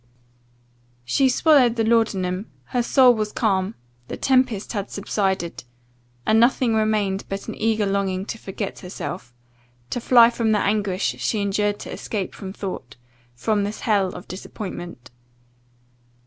"She swallowed the laudanum; her soul was calm the tempest had subsided and nothing remained but an eager longing to forget herself to fly from the anguish she endured to escape from thought from this hell of disappointment.